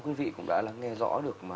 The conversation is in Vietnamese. quý vị cũng đã lắng nghe rõ được